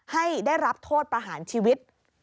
ให้ได้รับโทษประหารชีวิต